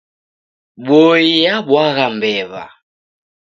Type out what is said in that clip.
Boi yabwagha mbew'a.